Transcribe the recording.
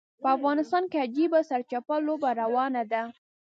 په افغانستان کې عجیبه سرچپه لوبه روانه ده.